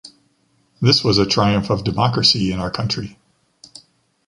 This was a triumph of democracy in our country.